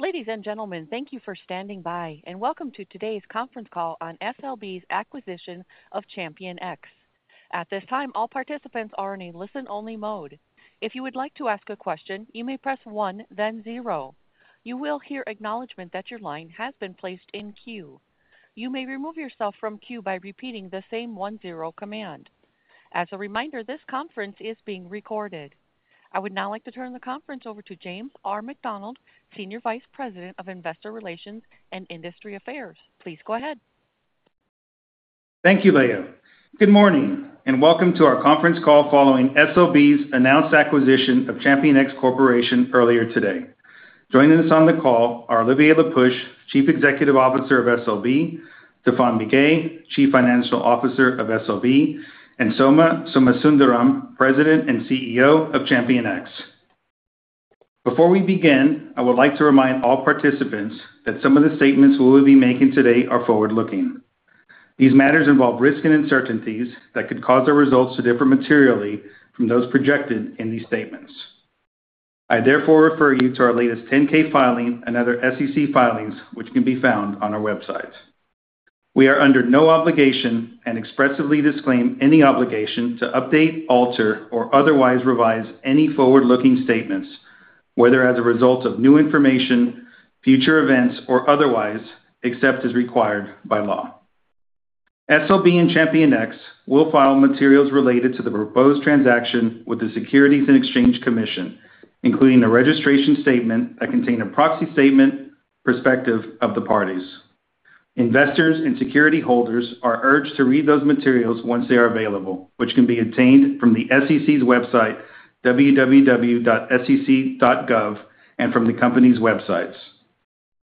Ladies and gentlemen, thank you for standing by and welcome to today's conference call on SLB's acquisition of ChampionX. At this time, all participants are in a listen-only mode. If you would like to ask a question, you may press one, then zero. You will hear acknowledgment that your line has been placed in queue. You may remove yourself from queue by repeating the same one zero command. As a reminder, this conference is being recorded. I would now like to turn the conference over to James R. McDonald, Senior Vice President of Investor Relations and Industry Affairs. Please go ahead. Thank you, Leah. Good morning, and welcome to our conference call following SLB's announced acquisition of ChampionX Corporation earlier today. Joining us on the call are Olivier Le Peuch, Chief Executive Officer of SLB, Stéphane Biguet, Chief Financial Officer of SLB, and Soma Somasundaram, President and CEO of ChampionX. Before we begin, I would like to remind all participants that some of the statements we will be making today are forward-looking. These matters involve risks and uncertainties that could cause our results to differ materially from those projected in these statements. I therefore refer you to our latest 10-K filing and other SEC filings, which can be found on our website. We are under no obligation and expressly disclaim any obligation to update, alter, or otherwise revise any forward-looking statements, whether as a result of new information, future events, or otherwise, except as required by law. SLB and ChampionX will file materials related to the proposed transaction with the Securities and Exchange Commission, including the registration statement that contain a proxy statement, perspective of the parties. Investors and security holders are urged to read those materials once they are available, which can be obtained from the SEC's website, www.sec.gov, and from the company's websites.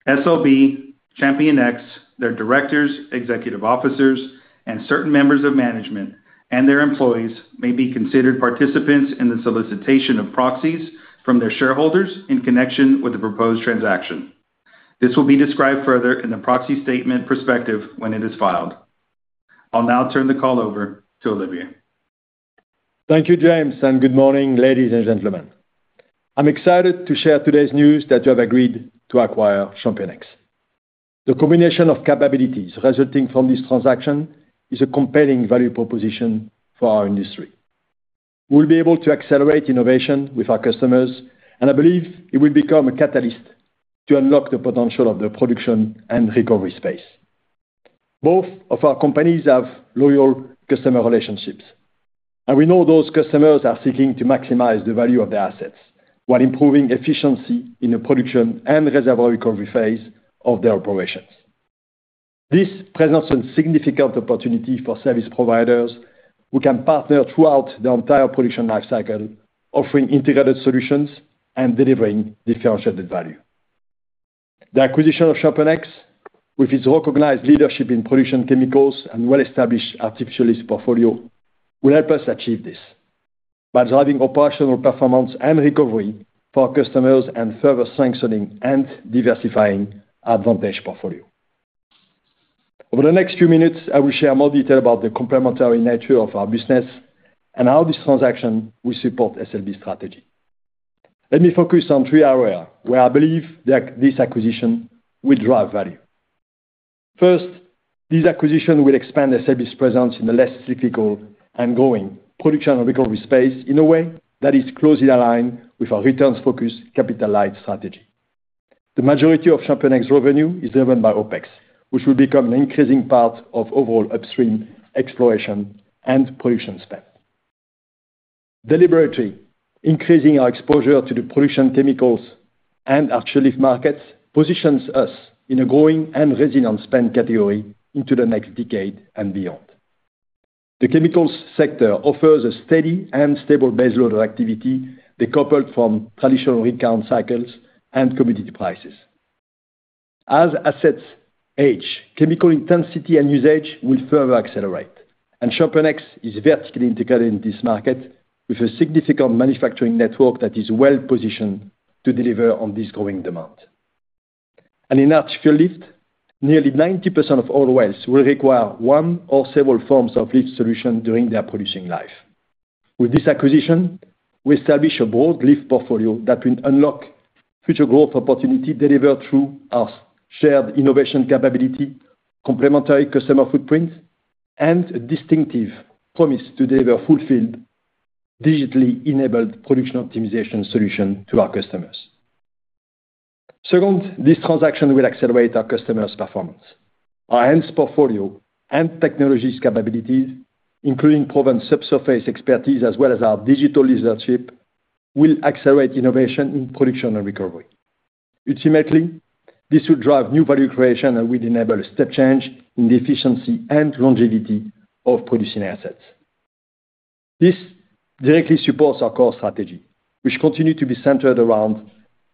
SLB, ChampionX, their directors, executive officers, and certain members of management and their employees may be considered participants in the solicitation of proxies from their shareholders in connection with the proposed transaction. This will be described further in the proxy statement perspective when it is filed. I'll now turn the call over to Olivier. Thank you, James, and good morning, ladies and gentlemen. I'm excited to share today's news that you have agreed to acquire ChampionX. The combination of capabilities resulting from this transaction is a compelling value proposition for our industry. We'll be able to accelerate innovation with our customers, and I believe it will become a catalyst to unlock the potential of the production and recovery space. Both of our companies have loyal customer relationships, and we know those customers are seeking to maximize the value of their assets while improving efficiency in the production and reservoir recovery phase of their operations. This presents a significant opportunity for service providers who can partner throughout the entire production lifecycle, offering integrated solutions and delivering differentiated value. The acquisition of ChampionX, with its recognized leadership in production chemicals and well-established artificial lift portfolio, will help us achieve this by driving operational performance and recovery for our customers and further strengthening and diversifying our advantaged portfolio. Over the next few minutes, I will share more detail about the complementary nature of our business and how this transaction will support SLB's strategy. Let me focus on three areas where I believe that this acquisition will drive value. First, this acquisition will expand SLB's presence in the less cyclical and growing production and recovery space in a way that is closely aligned with our returns-focused, capital-light strategy. The majority of ChampionX revenue is driven by OpEx, which will become an increasing part of overall upstream exploration and production spend. Deliberately, increasing our exposure to the production chemicals and artificial lift markets positions us in a growing and resilient spend category into the next decade and beyond. The chemicals sector offers a steady and stable baseload of activity, decoupled from traditional rig count cycles and commodity prices. As assets age, chemical intensity and usage will further accelerate, and ChampionX is vertically integrated in this market with a significant manufacturing network that is well-positioned to deliver on this growing demand. In artificial lift, nearly 90% of oil wells will require one or several forms of lift solution during their producing life. With this acquisition, we establish a broad lift portfolio that will unlock future growth opportunity delivered through our shared innovation capability, complementary customer footprint, and a distinctive promise to deliver full-field, digitally enabled production optimization solution to our customers. Second, this transaction will accelerate our customers' performance. Our enhanced portfolio and technologies capabilities, including proven subsurface expertise, as well as our digital leadership, will accelerate innovation in production and recovery. Ultimately, this will drive new value creation and will enable a step change in the efficiency and longevity of producing assets. This directly supports our core strategy, which continue to be centered around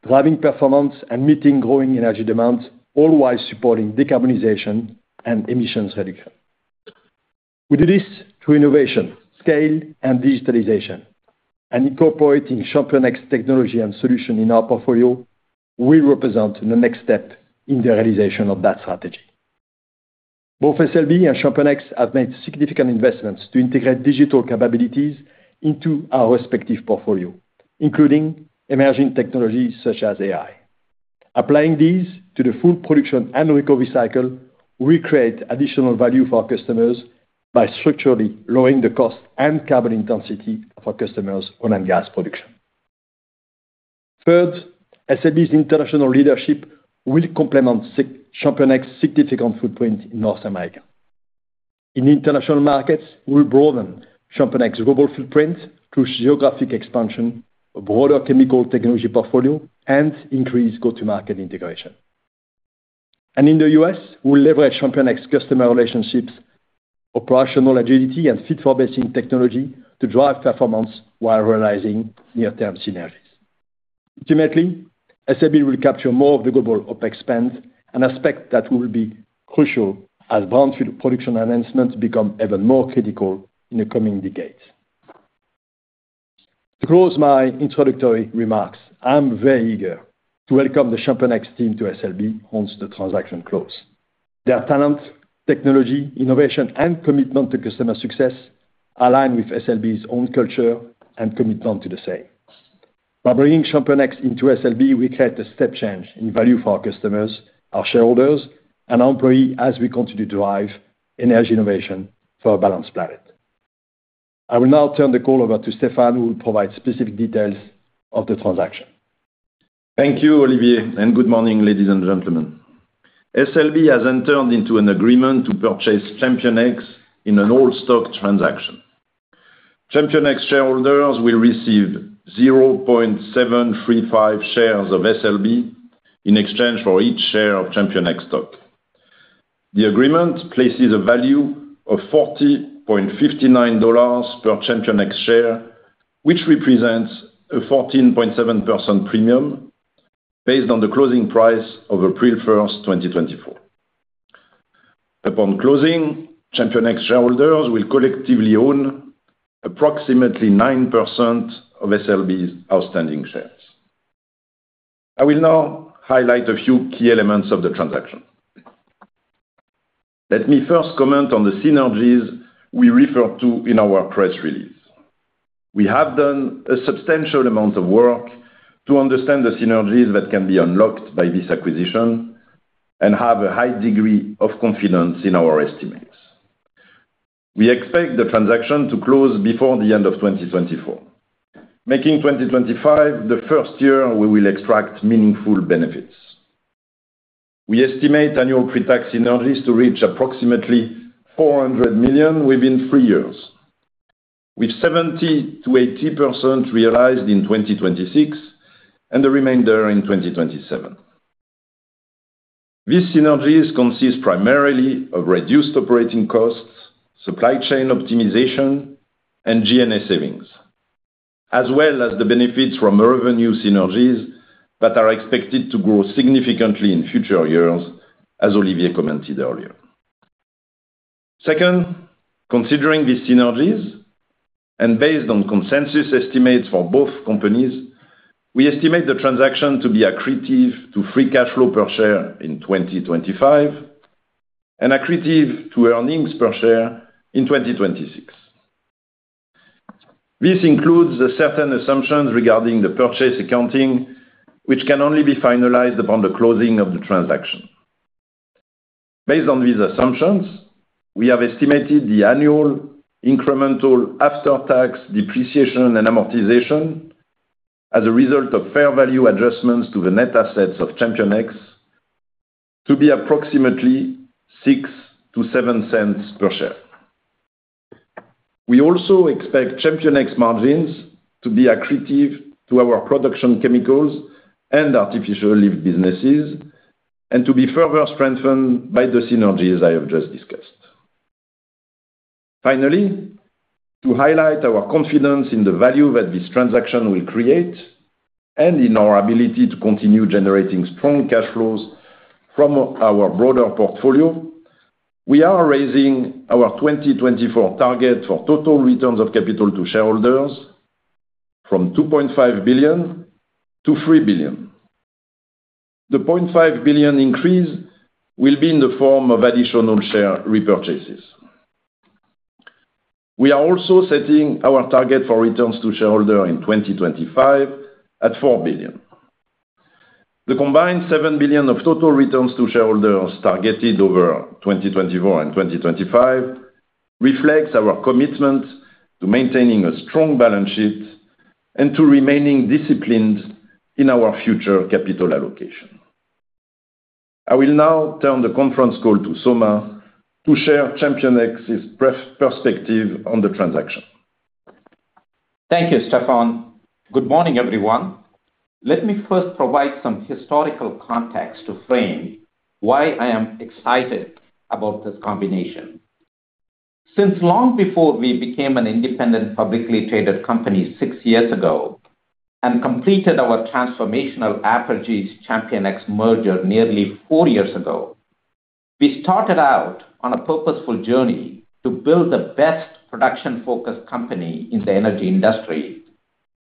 driving performance and meeting growing energy demands, all while supporting decarbonization and emissions reduction. We do this through innovation, scale, and digitalization, and incorporating ChampionX technology and solution in our portfolio will represent the next step in the realization of that strategy.... Both SLB and ChampionX have made significant investments to integrate digital capabilities into our respective portfolio, including emerging technologies such as AI. Applying these to the full production and recovery cycle, we create additional value for our customers by structurally lowering the cost and carbon intensity of our customers' oil and gas production. Third, SLB's international leadership will complement ChampionX's significant footprint in North America. In international markets, we'll broaden ChampionX's global footprint through geographic expansion, a broader chemical technology portfolio, and increased go-to-market integration. And in the U.S., we'll leverage ChampionX customer relationships, operational agility, and field-proven technology to drive performance while realizing near-term synergies. Ultimately, SLB will capture more of the global OpEx spend, an aspect that will be crucial as brownfield production enhancements become even more critical in the coming decades. To close my introductory remarks, I'm very eager to welcome the ChampionX team to SLB once the transaction close. Their talent, technology, innovation, and commitment to customer success align with SLB's own culture and commitment to the same. By bringing ChampionX into SLB, we create a step change in value for our customers, our shareholders, and our employee as we continue to drive energy innovation for a balanced planet. I will now turn the call over to Stéphane, who will provide specific details of the transaction. Thank you, Olivier, and good morning, ladies and gentlemen. SLB has entered into an agreement to purchase ChampionX in an all-stock transaction. ChampionX shareholders will receive 0.735 shares of SLB in exchange for each share of ChampionX stock. The agreement places a value of $40.59 per ChampionX share, which represents a 14.7% premium based on the closing price of April 1, 2024. Upon closing, ChampionX shareholders will collectively own approximately 9% of SLB's outstanding shares. I will now highlight a few key elements of the transaction. Let me first comment on the synergies we referred to in our press release. We have done a substantial amount of work to understand the synergies that can be unlocked by this acquisition and have a high degree of confidence in our estimates. We expect the transaction to close before the end of 2024, making 2025 the first year we will extract meaningful benefits. We estimate annual pre-tax synergies to reach approximately $400 million within three years, with 70%-80% realized in 2026 and the remainder in 2027. These synergies consist primarily of reduced operating costs, supply chain optimization, and G&A savings, as well as the benefits from revenue synergies that are expected to grow significantly in future years, as Olivier commented earlier. Second, considering these synergies, and based on consensus estimates for both companies, we estimate the transaction to be accretive to free cash flow per share in 2025 and accretive to earnings per share in 2026. This includes certain assumptions regarding the purchase accounting, which can only be finalized upon the closing of the transaction. Based on these assumptions, we have estimated the annual incremental after-tax depreciation and amortization as a result of fair value adjustments to the net assets of ChampionX to be approximately $0.06-$0.07 per share. We also expect ChampionX margins to be accretive to our production chemicals and artificial lift businesses and to be further strengthened by the synergies I have just discussed. Finally, to highlight our confidence in the value that this transaction will create and in our ability to continue generating strong cash flows from our broader portfolio, we are raising our 2024 target for total returns of capital to shareholders from $2.5 billion to $3 billion. The $0.5 billion increase will be in the form of additional share repurchases. We are also setting our target for returns to shareholder in 2025 at $4 billion. The combined $7 billion of total returns to shareholders targeted over 2024 and 2025 reflects our commitment to maintaining a strong balance sheet and to remaining disciplined in our future capital allocation. I will now turn the conference call to Soma to share ChampionX's perspective on the transaction. Thank you, Stéphane. Good morning, everyone. Let me first provide some historical context to frame why I am excited about this combination. Since long before we became an independent, publicly traded company six years ago and completed our transformational Apergy's ChampionX merger nearly four years ago, we started out on a purposeful journey to build the best production-focused company in the energy industry....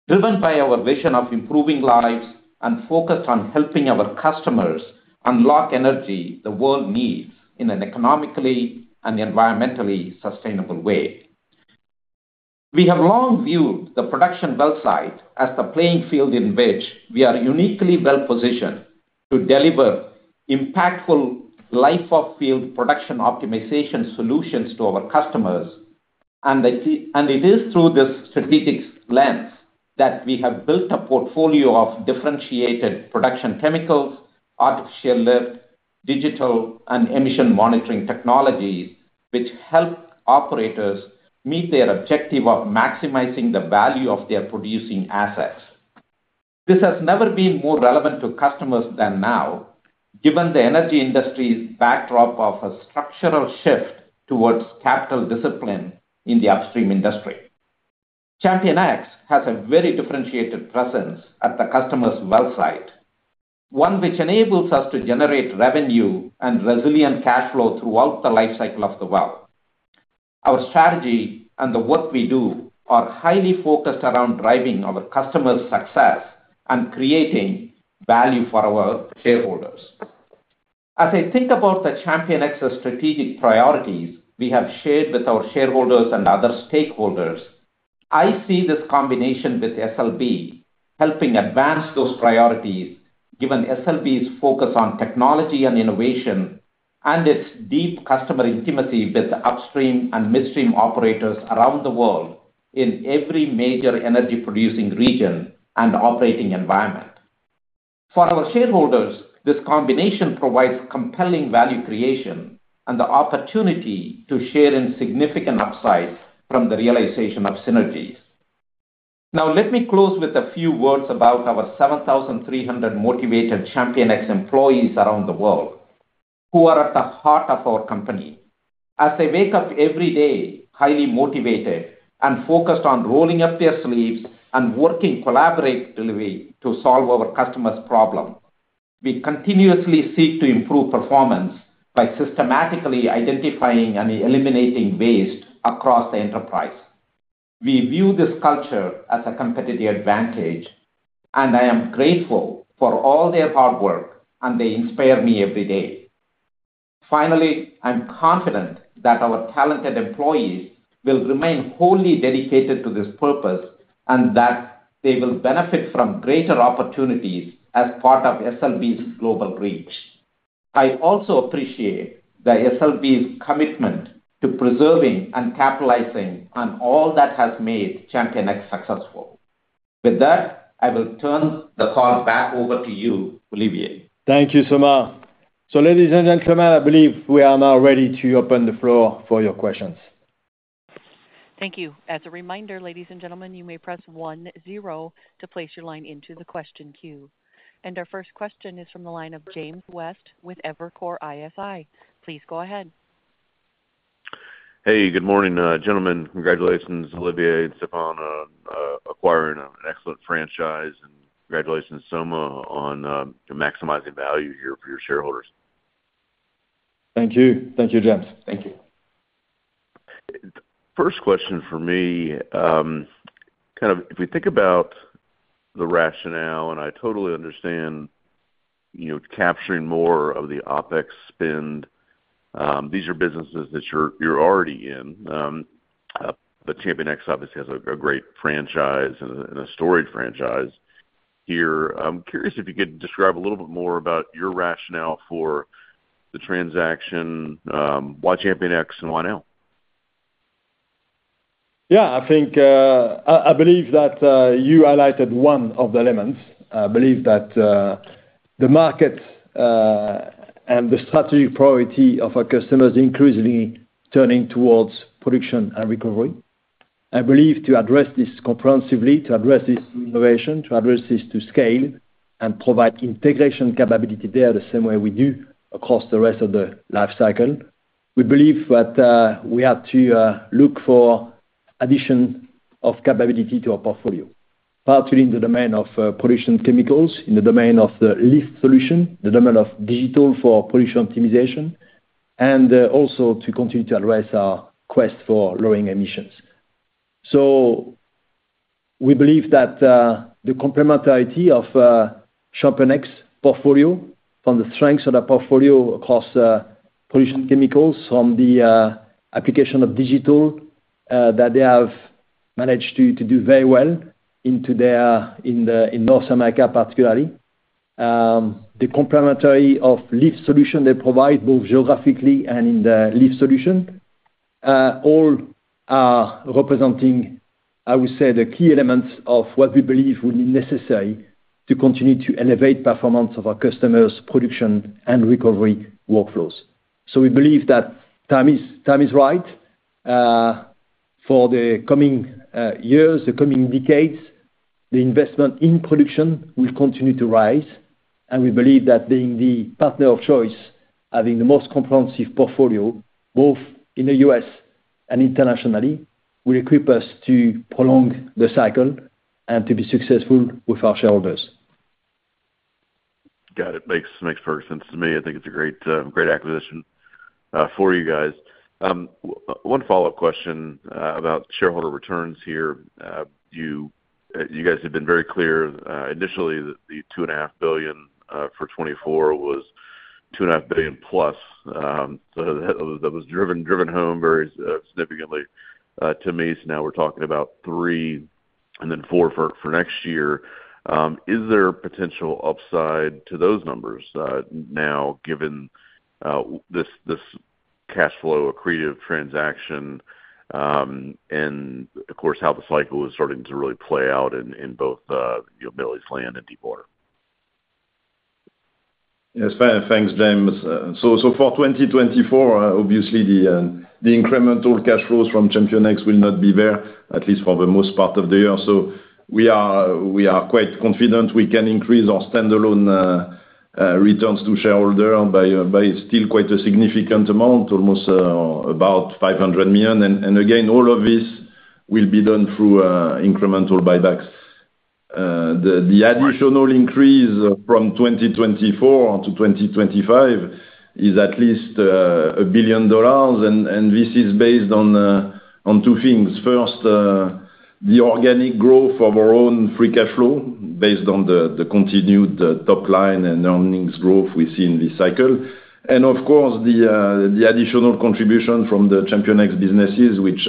driven by our vision of improving lives and focused on helping our customers unlock energy the world needs in an economically and environmentally sustainable way. We have long viewed the production well site as the playing field in which we are uniquely well-positioned to deliver impactful life-of-field production optimization solutions to our customers, and it is through this strategic lens that we have built a portfolio of differentiated production chemicals, artificial lift, digital, and emission monitoring technologies, which help operators meet their objective of maximizing the value of their producing assets. This has never been more relevant to customers than now, given the energy industry's backdrop of a structural shift towards capital discipline in the upstream industry. ChampionX has a very differentiated presence at the customer's well site, one which enables us to generate revenue and resilient cash flow throughout the lifecycle of the well. Our strategy and the work we do are highly focused around driving our customers' success and creating value for our shareholders. As I think about the ChampionX's strategic priorities we have shared with our shareholders and other stakeholders, I see this combination with SLB helping advance those priorities, given SLB's focus on technology and innovation and its deep customer intimacy with the upstream and midstream operators around the world in every major energy-producing region and operating environment. For our shareholders, this combination provides compelling value creation and the opportunity to share in significant upsides from the realization of synergies. Now, let me close with a few words about our 7,300 motivated ChampionX employees around the world, who are at the heart of our company. As they wake up every day, highly motivated and focused on rolling up their sleeves and working collaboratively to solve our customers' problem, we continuously seek to improve performance by systematically identifying and eliminating waste across the enterprise. We view this culture as a competitive advantage, and I am grateful for all their hard work, and they inspire me every day. Finally, I'm confident that our talented employees will remain wholly dedicated to this purpose, and that they will benefit from greater opportunities as part of SLB's global reach. I also appreciate the SLB's commitment to preserving and capitalizing on all that has made ChampionX successful. With that, I will turn the call back over to you, Olivier. Thank you, Soma. So ladies and gentlemen, I believe we are now ready to open the floor for your questions. Thank you. As a reminder, ladies and gentlemen, you may press 10 to place your line into the question queue. Our first question is from the line of James West with Evercore ISI. Please go ahead. Hey, good morning, gentlemen. Congratulations, Olivier and Stephane on acquiring an excellent franchise, and congratulations, Soma, on maximizing value here for your shareholders. Thank you. Thank you, James. Thank you. First question for me, kind of if we think about the rationale, and I totally understand, you know, capturing more of the OpEx spend, these are businesses that you're already in. But ChampionX obviously has a great franchise and a storied franchise here. I'm curious if you could describe a little bit more about your rationale for the transaction, why ChampionX and why now? Yeah, I think, I, I believe that you highlighted one of the elements. I believe that the market and the strategic priority of our customers increasingly turning towards production and recovery. I believe to address this comprehensively, to address this innovation, to address this to scale, and provide integration capability there, the same way we do across the rest of the lifecycle, we believe that we have to look for addition of capability to our portfolio. Partly in the domain of production chemicals, in the domain of the lift solution, the domain of digital for production optimization, and also to continue to address our quest for lowering emissions. So we believe that, the complementarity of, ChampionX portfolio, from the strengths of the portfolio across, production chemicals, from the, application of digital, that they have managed to do very well in their in the North America, particularly. The complementarity of lift solution they provide, both geographically and in the lift solution, all are representing, I would say, the key elements of what we believe will be necessary to continue to elevate performance of our customers' production and recovery workflows. So we believe that time is right, for the coming years, the coming decades. The investment in production will continue to rise, and we believe that being the partner of choice, having the most comprehensive portfolio, both in the U.S. and internationally, will equip us to prolong the cycle and to be successful with our shareholders.... Got it. Makes perfect sense to me. I think it's a great acquisition for you guys. One follow-up question about shareholder returns here. You guys have been very clear initially that the $2.5 billion for 2024 was $2.5 billion plus. So that was driven home very significantly to me. So now we're talking about $3 billion and then $4 billion for next year. Is there potential upside to those numbers now, given this cash flow accretive transaction, and of course, how the cycle is starting to really play out in both, you know, Bakken land and deep water? Yes. Thanks, James. So for 2024, obviously the incremental cash flows from ChampionX will not be there, at least for the most part of the year. So we are quite confident we can increase our standalone returns to shareholder by still quite a significant amount, almost about $500 million. And again, all of this will be done through incremental buybacks. The additional increase from 2024 to 2025 is at least a $1 billion, and this is based on on two things. First, the organic growth of our own free cash flow based on the continued top line and earnings growth we see in this cycle. Of course, the additional contribution from the ChampionX businesses, which,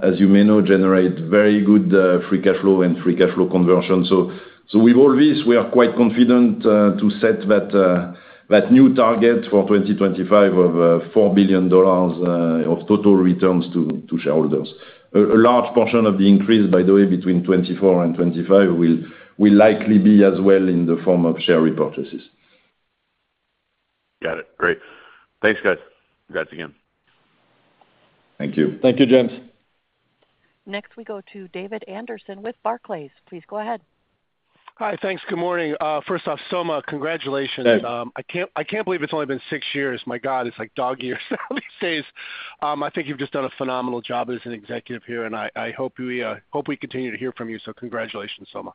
as you may know, generate very good free cash flow and free cash flow conversion. So, with all this, we are quite confident to set that new target for 2025 of $4 billion of total returns to shareholders. A large portion of the increase, by the way, between 2024 and 2025 will likely be as well in the form of share repurchases. Got it. Great. Thanks, guys. Congrats again. Thank you. Thank you, James. Next, we go to David Anderson with Barclays. Please go ahead. Hi. Thanks. Good morning. First off, Soma, congratulations. Thanks. I can't believe it's only been six years. My God, it's like dog years now these days. I think you've just done a phenomenal job as an executive here, and I hope we continue to hear from you, so congratulations, Soma.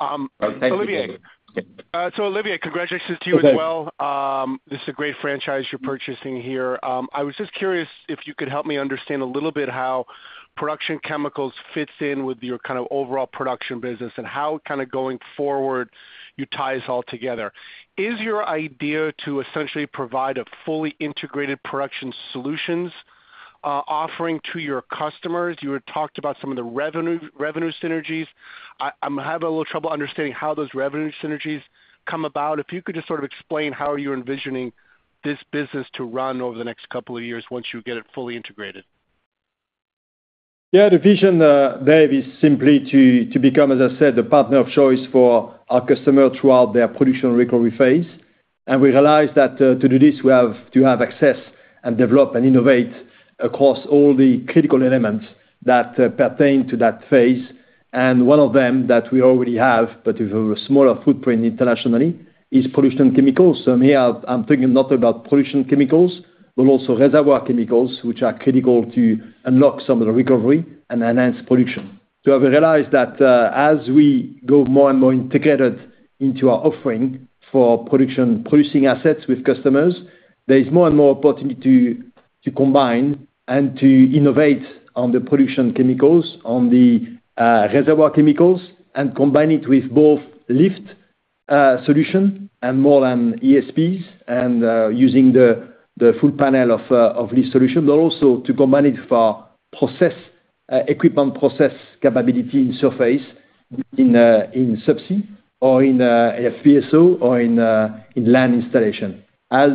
Olivier- Thank you, David. So, Olivier, congratulations to you as well. Thanks. This is a great franchise you're purchasing here. I was just curious if you could help me understand a little bit how production chemicals fits in with your kind of overall production business, and how kinda going forward, you tie this all together. Is your idea to essentially provide a fully integrated production solutions, offering to your customers? You had talked about some of the revenue, revenue synergies. I'm having a little trouble understanding how those revenue synergies come about. If you could just sort of explain how you're envisioning this business to run over the next couple of years once you get it fully integrated. Yeah, the vision, Dave, is simply to, to become, as I said, the partner of choice for our customer throughout their production recovery phase. And we realize that, to do this, we have to have access and develop and innovate across all the critical elements that pertain to that phase. And one of them that we already have, but with a smaller footprint internationally, is production chemicals. So here, I'm, I'm thinking not about production chemicals, but also reservoir chemicals, which are critical to unlock some of the recovery and enhance production. So we realize that, as we go more and more integrated into our offering for production, producing assets with customers, there is more and more opportunity to combine and to innovate on the production chemicals, on the reservoir chemicals, and combine it with both lift solution and more than ESPs, and using the full panel of these solutions, but also to combine it for process equipment process capability in surface, in subsea or in a FPSO or in land installation. As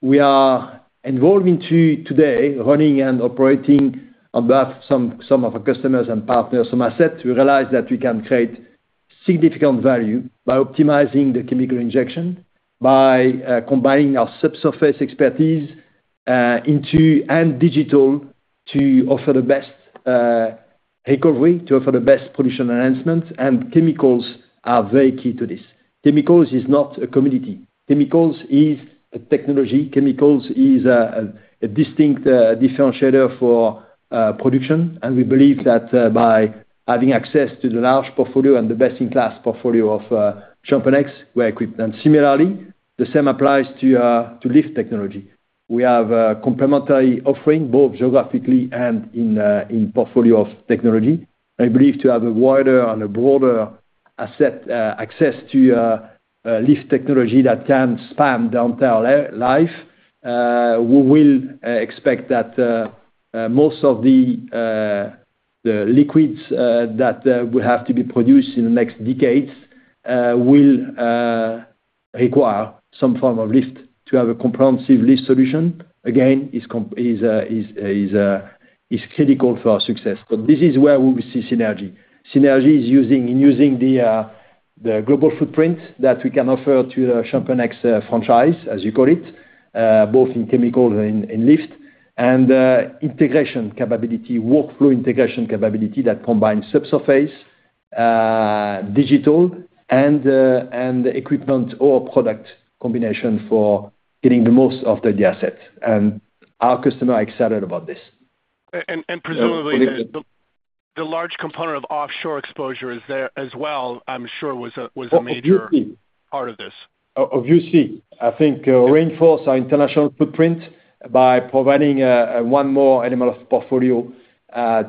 we are evolving to today, running and operating on behalf of some of our customers and partners from assets, we realize that we can create significant value by optimizing the chemical injection, by combining our subsurface expertise into and digital to offer the best recovery, to offer the best production enhancement, and chemicals are very key to this. Chemicals is not a commodity. Chemicals is a technology. Chemicals is a distinct differentiator for production, and we believe that by having access to the large portfolio and the best-in-class portfolio of ChampionX, we are equipped. And similarly, the same applies to lift technology. We have a complementary offering, both geographically and in portfolio of technology. I believe to have a wider and a broader asset access to lift technology that can span downhole life. We will expect that most of the liquids that will have to be produced in the next decades will require some form of lift. To have a comprehensive lift solution, again, is critical for our success. But this is where we see synergy. Synergy is using the global footprint that we can offer to the ChampionX franchise, as you call it, both in chemical and in lift, and integration capability, workflow integration capability that combines subsurface, digital and equipment or product combination for getting the most of the asset. And our customers are excited about this. And presumably, the large component of offshore exposure is there as well. I'm sure was a major- Oh, obviously. part of this. Oh, obviously. I think, reinforce our international footprint by providing one more element of portfolio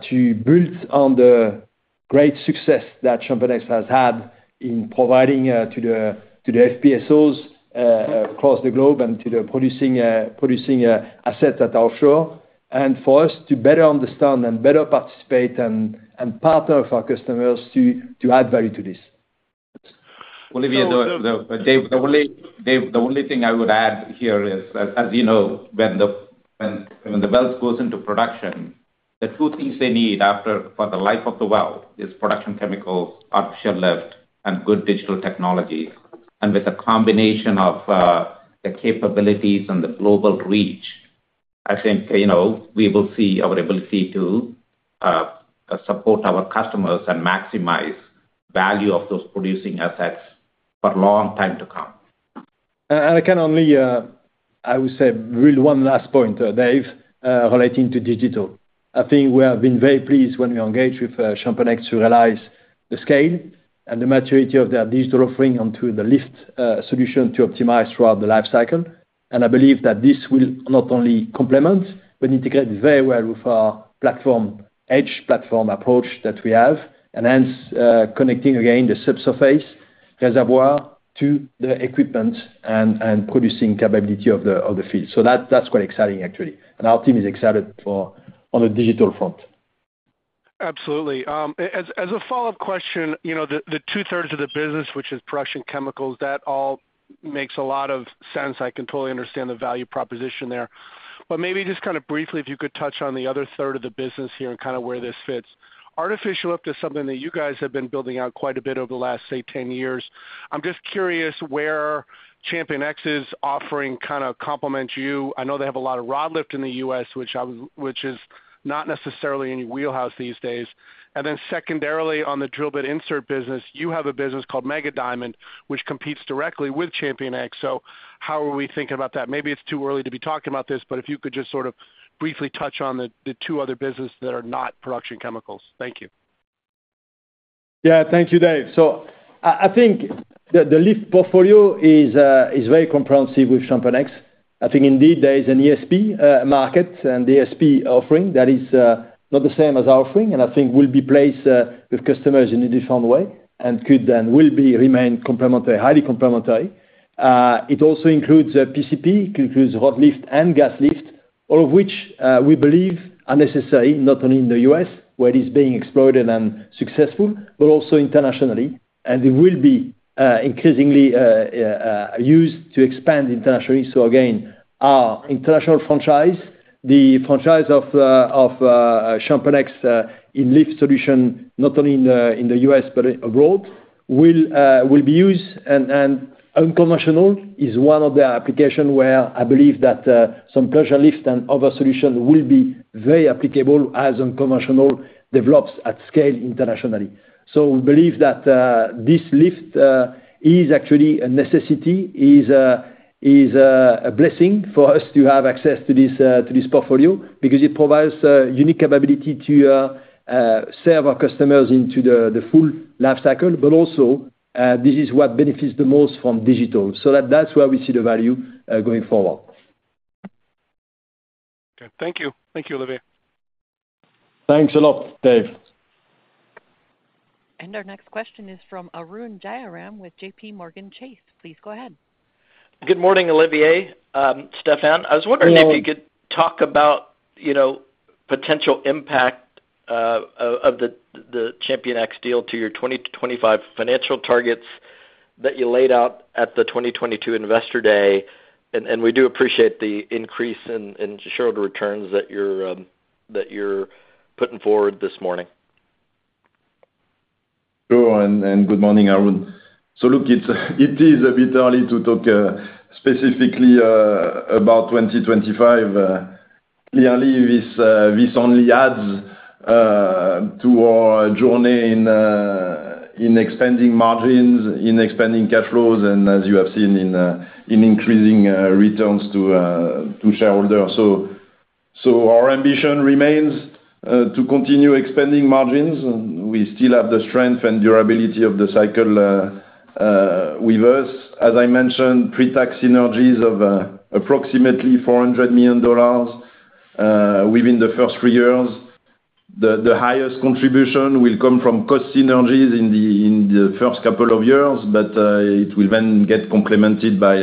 to build on the great success that ChampionX has had in providing to the FPSOs across the globe and to the producing assets at offshore. And for us, to better understand and better participate and partner of our customers to add value to this. Olivier, David, the only thing I would add here is, as you know, when the wells goes into production, the two things they need after—for the life of the well, is production chemicals, artificial lift, and good digital technology. And with the combination of the capabilities and the global reach, I think, you know, we will see our ability to support our customers and maximize value of those producing assets for long time to come. And I can only, I would say, really one last point, Dave, relating to digital. I think we have been very pleased when we engaged with ChampionX to realize the scale and the maturity of their digital offering onto the lift solution to optimize throughout the lifecycle. And I believe that this will not only complement, but integrate very well with our platform, edge platform approach that we have, and hence, connecting again, the subsurface reservoir to the equipment and producing capability of the field. So that, that's quite exciting, actually, and our team is excited for on the digital front. Absolutely. As a follow-up question, you know, the two-thirds of the business, which is production chemicals, that all makes a lot of sense. I can totally understand the value proposition there. But maybe just kind of briefly, if you could touch on the other third of the business here and kind of where this fits. Artificial lift is something that you guys have been building out quite a bit over the last, say, 10 years. I'm just curious where ChampionX's offering kinda complements you. I know they have a lot of rod lift in the U.S., which is not necessarily in your wheelhouse these days. And then secondarily, on the drill bit insert business, you have a business called Mega Diamond, which competes directly with ChampionX. So how are we thinking about that? Maybe it's too early to be talking about this, but if you could just sort of briefly touch on the two other businesses that are not production chemicals. Thank you. Yeah. Thank you, Dave. So I think the lift portfolio is very comprehensive with ChampionX. I think indeed, there is an ESP market and ESP offering that is not the same as our offering, and I think will be placed with customers in a different way, and could then will be remain complementary, highly complementary. It also includes PCP, includes rod lift and gas lift, all of which we believe are necessary, not only in the U.S., where it's being explored and successful, but also internationally. And it will be increasingly used to expand internationally. So again, our international franchise, the franchise of ChampionX in lift solution, not only in the U.S. but abroad, will be used. And unconventional is one of the application where I believe that some pressure lift and other solutions will be very applicable as unconventional develops at scale internationally. So we believe that this lift is actually a necessity, is a blessing for us to have access to this portfolio, because it provides a unique capability to serve our customers into the full lifecycle, but also this is what benefits the most from digital. So that's where we see the value going forward. Okay. Thank you. Thank you, Olivier. Thanks a lot, Dave. Our next question is from Arun Jayaram with JPMorgan Chase. Please go ahead. Good morning, Olivier, Stephane. Hello. I was wondering if you could talk about, you know, potential impact of the ChampionX deal to your 2025 financial targets that you laid out at the 2022 Investor Day. We do appreciate the increase in shareholder returns that you're putting forward this morning. Sure, and good morning, Arun. So look, it is a bit early to talk specifically about 2025. Clearly, this only adds to our journey in expanding margins, in expanding cash flows, and as you have seen, in increasing returns to shareholders. So our ambition remains to continue expanding margins. We still have the strength and durability of the cycle with us. As I mentioned, pre-tax synergies of approximately $400 million within the first three years. The highest contribution will come from cost synergies in the first couple of years, but it will then get complemented by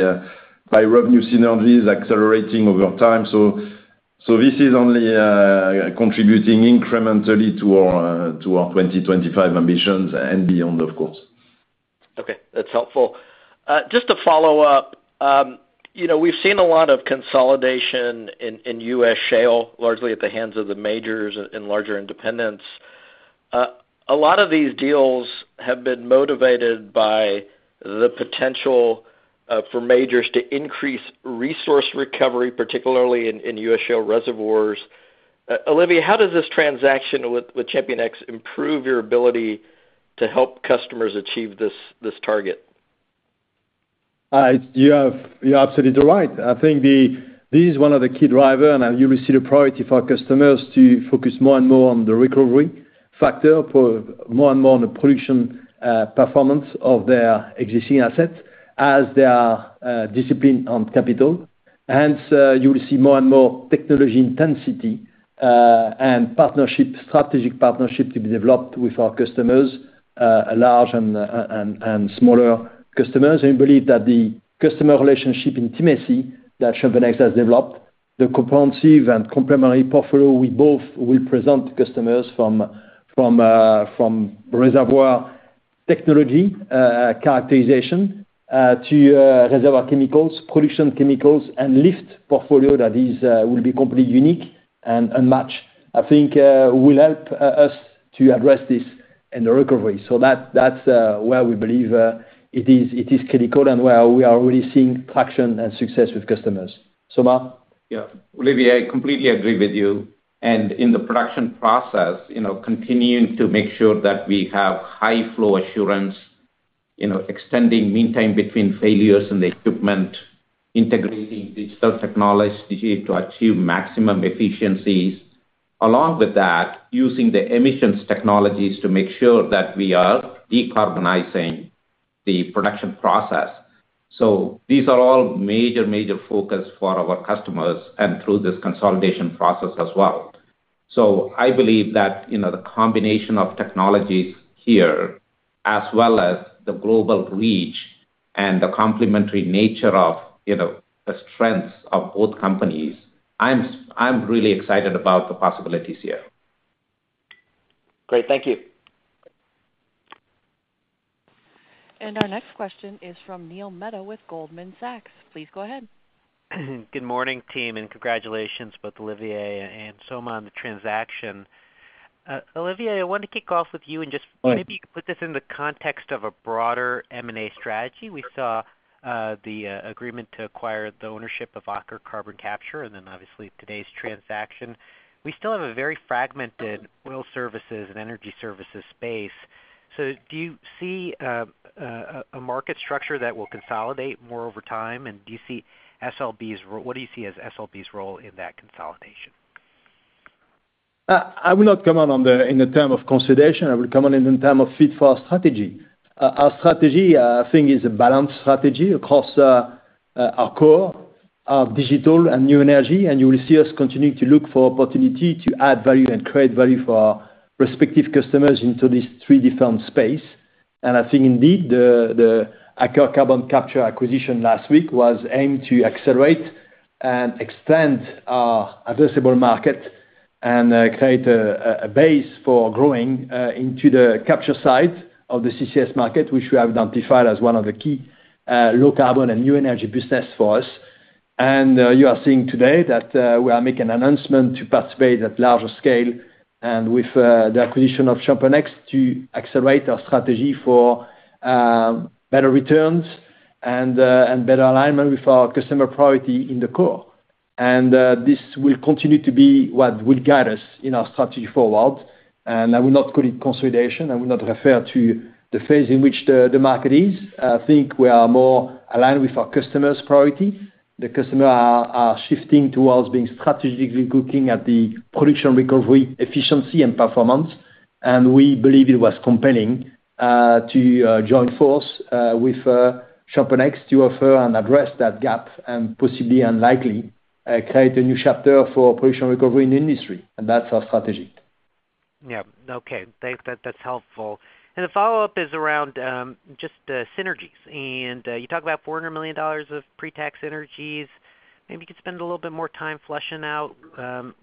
revenue synergies accelerating over time. So this is only contributing incrementally to our 2025 ambitions and beyond, of course. Okay, that's helpful. Just to follow up, you know, we've seen a lot of consolidation in U.S. shale, largely at the hands of the majors and larger independents. A lot of these deals have been motivated by the potential for majors to increase resource recovery, particularly in U.S. shale reservoirs. Olivier, how does this transaction with ChampionX improve your ability to help customers achieve this target?... You have, you're absolutely right. I think this is one of the key driver, and you will see the priority for our customers to focus more and more on the recovery factor for more and more on the production performance of their existing assets as they are disciplined on capital. Hence, you will see more and more technology intensity and partnership, strategic partnership to be developed with our customers, large and smaller customers. We believe that the customer relationship intimacy that ChampionX has developed, the comprehensive and complementary portfolio, we both will present customers from reservoir technology characterization to reservoir chemicals, production chemicals, and lift portfolio. That is will be completely unique and unmatched, I think, will help us to address this in the recovery. So that's where we believe it is critical and where we are already seeing traction and success with customers. Soma? Yeah. Olivier, I completely agree with you. And in the production process, you know, continuing to make sure that we have high flow assurance, you know, extending mean time between failures and the equipment, integrating digital technology to achieve maximum efficiencies. Along with that, using the emissions technologies to make sure that we are decarbonizing the production process. So these are all major, major focus for our customers and through this consolidation process as well. So I believe that, you know, the combination of technologies here, as well as the global reach and the complementary nature of, you know, the strengths of both companies, I'm really excited about the possibilities here. Great. Thank you. Our next question is from Neil Mehta with Goldman Sachs. Please go ahead. Good morning, team, and congratulations, both Olivier and Soma, on the transaction. Olivier, I wanted to kick off with you and just- Right. Maybe you could put this in the context of a broader M&A strategy. We saw the agreement to acquire the ownership of Aker Carbon Capture, and then obviously, today's transaction. We still have a very fragmented oil services and energy services space. So do you see a market structure that will consolidate more over time? And do you see SLB's role—what do you see as SLB's role in that consolidation? I will not comment on the, in the term of consolidation. I will comment in the term of fit for our strategy. Our, our strategy, I think, is a balanced strategy across, our core, our digital and new energy, and you will see us continuing to look for opportunity to add value and create value for our respective customers into these three different space. And I think indeed, the Aker Carbon Capture acquisition last week was aimed to accelerate and extend our addressable market and, create a, a base for growing, into the capture side of the CCS market, which we have identified as one of the key, low carbon and new energy business for us. You are seeing today that we are making an announcement to participate at larger scale and with the acquisition of ChampionX to accelerate our strategy for better returns and and better alignment with our customer priority in the core. This will continue to be what will guide us in our strategy forward, and I will not call it consolidation. I will not refer to the phase in which the market is. I think we are more aligned with our customers' priority. The customer are shifting towards being strategically looking at the production recovery, efficiency, and performance, and we believe it was compelling to join force with ChampionX to offer and address that gap and possibly, and likely, create a new chapter for production recovery in the industry, and that's our strategy. Yeah. Okay. That's helpful. The follow-up is around just the synergies. You talked about $400 million of pre-tax synergies. Maybe you could spend a little bit more time fleshing out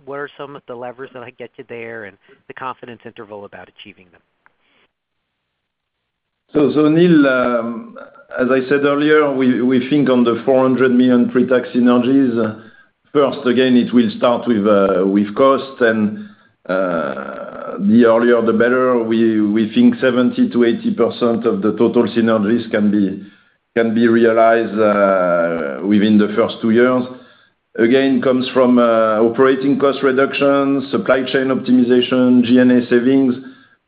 what are some of the levers that I get you there and the confidence interval about achieving them. So, so Neil, as I said earlier, we, we think on the $400 million pre-tax synergies, first again, it will start with, with cost and, the earlier the better. We, we think 70%-80% of the total synergies can be, can be realized, within the first two years. Again, comes from, operating cost reductions, supply chain optimization, GNA savings.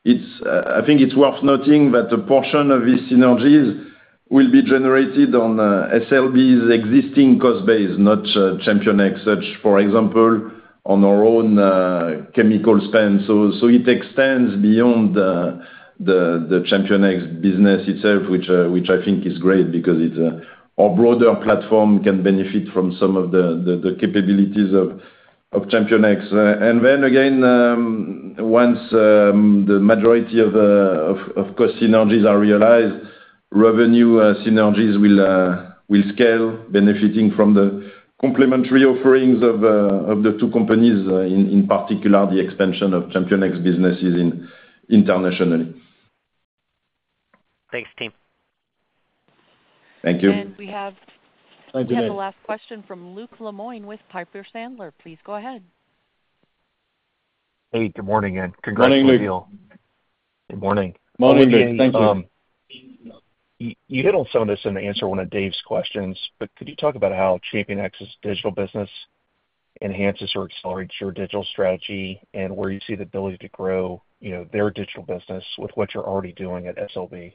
It's, I think it's worth noting that a portion of these synergies will be generated on, SLB's existing cost base, not, ChampionX. Such, for example, on our own, chemical spend. So, so it extends beyond the, the, the ChampionX business itself, which, which I think is great because it's, our broader platform can benefit from some of the, the, the capabilities of, of ChampionX. And then again, once the majority of cost synergies are realized, revenue synergies will scale, benefiting from the complementary offerings of the two companies, in particular, the expansion of ChampionX businesses internationally. Thanks, team. Thank you. We have- Thank you, Neil. We have the last question from Luke Lemoine with Piper Sandler. Please go ahead. Hey, good morning, and congrats on the deal. Morning, Luke. Good morning. Morning, Luke. Thank you. You hit on some of this in the answer to one of Dave's questions, but could you talk about how ChampionX's digital business enhances or accelerates your digital strategy, and where you see the ability to grow, you know, their digital business with what you're already doing at SLB?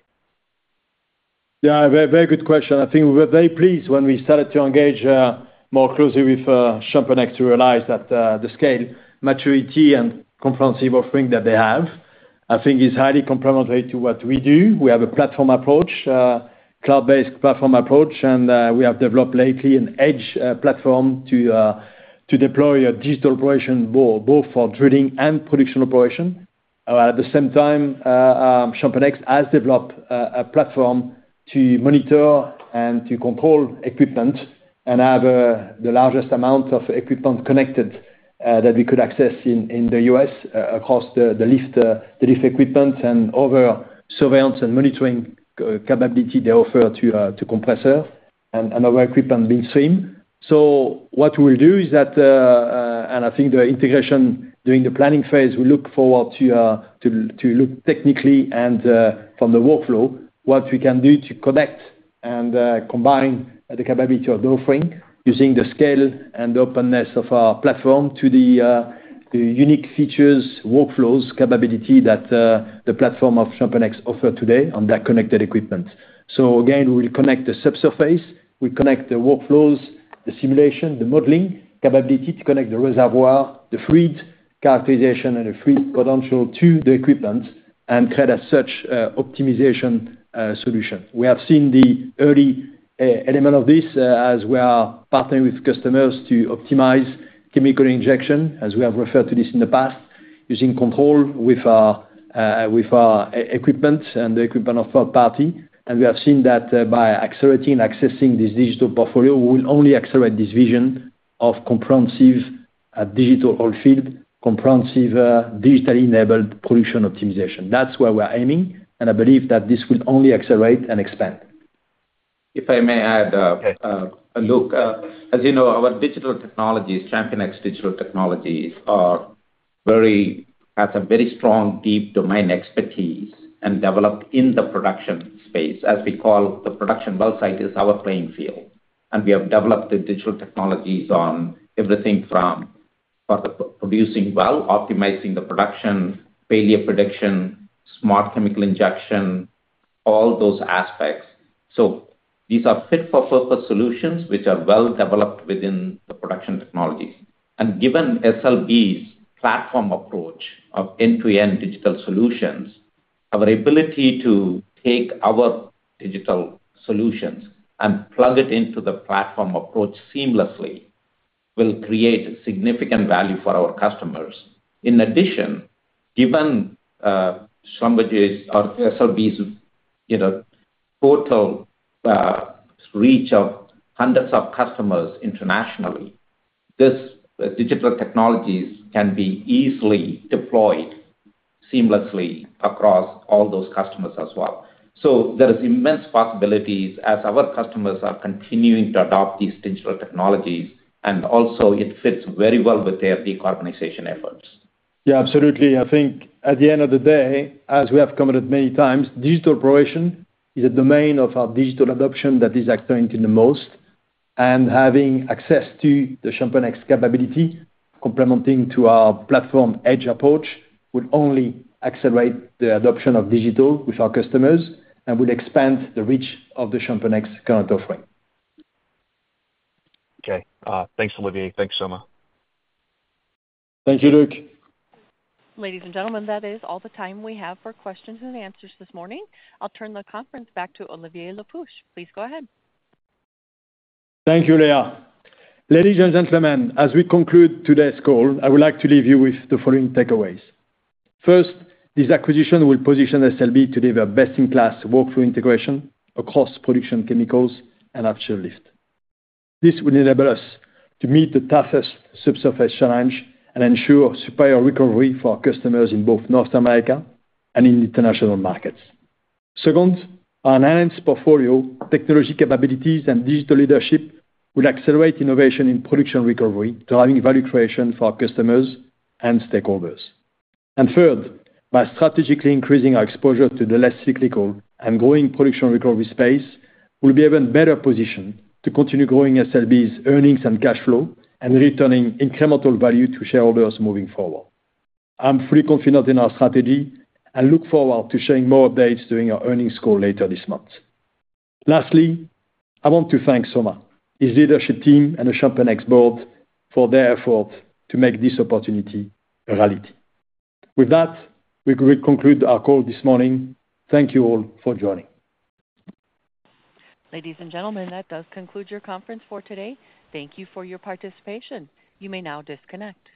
Yeah, a very, very good question. I think we were very pleased when we started to engage more closely with ChampionX, to realize that the scale, maturity, and comprehensive offering that they have, I think is highly complementary to what we do. We have a platform approach, cloud-based platform approach, and we have developed lately an edge platform to deploy a digital operation both for drilling and production operation. At the same time, ChampionX has developed a platform to monitor and to control equipment and have the largest amount of equipment connected that we could access in the US across the lift equipment and other surveillance and monitoring capability they offer to compressor and other equipment being seen. So what we'll do is that, and I think the integration during the planning phase, we look forward to, to look technically and, from the workflow, what we can do to connect and, combine the capability of offering, using the scale and the openness of our platform to the, the unique features, workflows, capability that, the platform of ChampionX offer today on their connected equipment. So again, we will connect the subsurface, we connect the workflows, the simulation, the modeling capability to connect the reservoir, the field characterization, and the field potential to the equipment, and create as such, optimization, solution. We have seen the early element of this, as we are partnering with customers to optimize chemical injection, as we have referred to this in the past, using control with our equipment and the equipment of third party. And we have seen that by accelerating accessing this digital portfolio, we will only accelerate this vision of comprehensive digital oil field, comprehensive digitally enabled production optimization. That's where we're aiming, and I believe that this will only accelerate and expand. If I may add, Okay. Luke, as you know, our digital technologies, ChampionX's digital technologies, are very has a very strong, deep domain expertise and developed in the production space, as we call the production well site is our playing field. And we have developed the digital technologies on everything from producing well, optimizing the production, failure prediction, smart chemical injection, all those aspects. So these are fit-for-purpose solutions which are well developed within the production technologies. And given SLB's platform approach of end-to-end digital solutions, our ability to take our digital solutions and plug it into the platform approach seamlessly, will create significant value for our customers. In addition, given Schlumberger's or SLB's, you know, total reach of hundreds of customers internationally, this digital technologies can be easily deployed seamlessly across all those customers as well. There is immense possibilities as our customers are continuing to adopt these digital technologies, and also it fits very well with their decarbonization efforts. Yeah, absolutely. I think at the end of the day, as we have commented many times, digital operation is a domain of our digital adoption that is expanding the most, and having access to the ChampionX's capability, complementing to our platform edge approach, will only accelerate the adoption of digital with our customers and will expand the reach of the ChampionX's current offering. Okay. Thanks, Olivier. Thanks, Soma. Thank you, Luke. Ladies and gentlemen, that is all the time we have for questions and answers this morning. I'll turn the conference back to Olivier Le Peuch, please go ahead. Thank you, Leah. Ladies and gentlemen, as we conclude today's call, I would like to leave you with the following takeaways: First, this acquisition will position SLB to deliver best-in-class workflow integration across production, chemicals, and artificial lift. This will enable us to meet the toughest subsurface challenge and ensure superior recovery for our customers in both North America and in international markets. Second, our enhanced portfolio, technology capabilities, and digital leadership will accelerate innovation in production recovery, driving value creation for our customers and stakeholders. And third, by strategically increasing our exposure to the less cyclical and growing production recovery space, we'll be even better positioned to continue growing SLB's earnings and cash flow, and returning incremental value to shareholders moving forward. I'm fully confident in our strategy and look forward to sharing more updates during our earnings call later this month. Lastly, I want to thank Soma, his leadership team, and the ChampionX board for their effort to make this opportunity a reality. With that, we will conclude our call this morning. Thank you all for joining. Ladies and gentlemen, that does conclude your conference for today. Thank you for your participation. You may now disconnect.